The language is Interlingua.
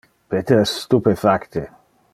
Peter es stupefacte.